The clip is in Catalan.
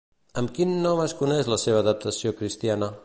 Amb quin nom es coneix la seva adaptació cristiana?